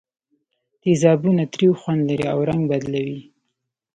تیزابونه تریو خوند لري او رنګ بدلوي.